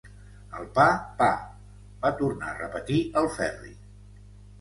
El pa, pa –va tornar a repetir el Ferri.